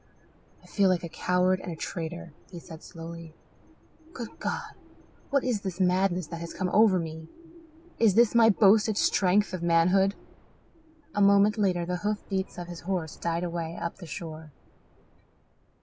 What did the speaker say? "I feel like a coward and a traitor," he said slowly. "Good God, what is this madness that has come over me? Is this my boasted strength of manhood?" A moment later the hoof beats of his horse died away up the shore.